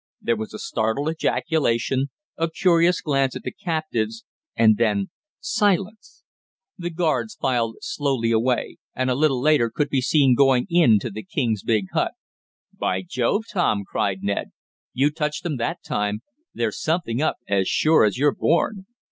There was a startled ejaculation, a curious glance at the captives, and then silence. The guards filed silently away, and, a little later, could be seen going in the king's big hut. "By Jove, Tom!" cried Ned. "You touched 'em that time. There's something up, as sure as you're born!"